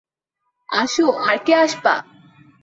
আসো আর কে আসবা?